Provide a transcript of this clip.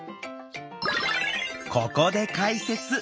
ここで解説！